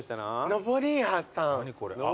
のぼりやさん何？